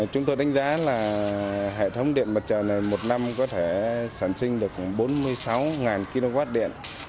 chúng tôi đánh giá là hệ thống điện mặt trời một năm có thể sản sinh được bốn mươi sáu kw điện